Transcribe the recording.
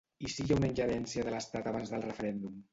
I si hi ha una ingerència de l’estat abans del referèndum?